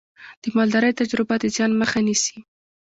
د مالدارۍ تجربه د زیان مخه نیسي.